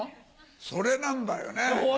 それなんだよね！